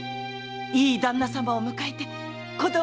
いい旦那様を迎えて子供を産んで。